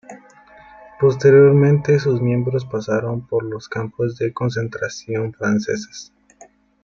Posteriormente sus miembros pasaron por los campos de concentración franceses.